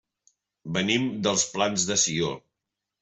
Venim dels Plans de Sió.